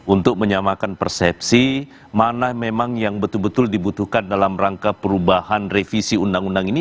untuk menyamakan persepsi mana memang yang betul betul dibutuhkan dalam rangka perubahan revisi undang undang ini